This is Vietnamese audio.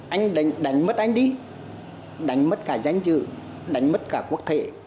anh đánh mất anh đi đánh mất cả danh dự đánh mất cả quốc thể